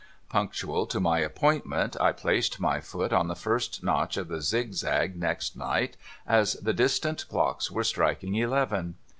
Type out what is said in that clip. Punctual to my appointment, I placed my foot on the first notch of the zigzag next night, as the distant clocks were striking eleven.